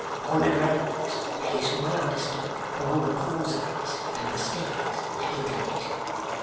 On the grounds that it's well understood along the cause'ays and the stairs that he done it.